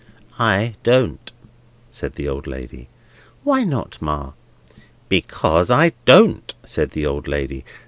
"I don't," said the old lady. "Why not, Ma?" "Because I don't," said the old lady.